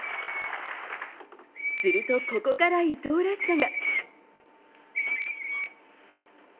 すると、ここから伊藤らしさが。